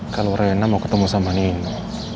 kalo reina mau ketemu sama nino